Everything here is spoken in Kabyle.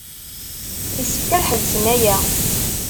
Yessefk ad ḥebsen aya.